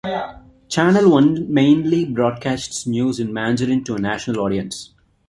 Channel one mainly broadcasts news in Mandarin to a national audience.